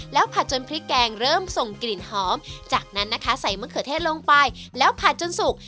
แล้วผัดจนพริกแกงเริ่มส่งกลิ่นหอมจากนั้นนะคะใส่มะเขือเทศลงไปแล้วผัดจนสุก